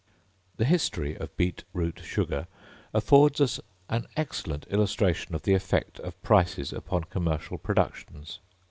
The history of beet root sugar affords us an excellent illustration of the effect of prices upon commercial productions.